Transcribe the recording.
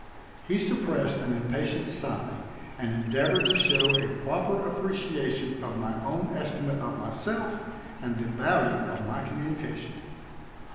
He suppressed an impatient sigh and endeavored to show a proper appreciation of my own estimate of myself and the value of my communication.